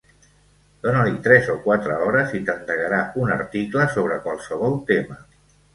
Dona-li tres o quatre hores, i t'endegarà un article sobre qualsevol tema.